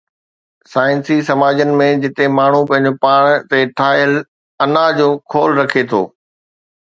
سائنسي سماجن ۾ جتي ماڻهو پنهنجو پاڻ تي ٺاهيل انا جو خول رکي ٿو